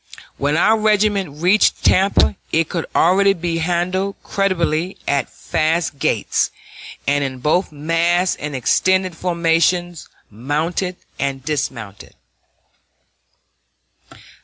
When our regiment reached Tampa it could already be handled creditably at fast gaits, and both in mass and extended formations, mounted and dismounted.